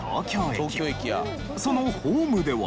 そのホームでは。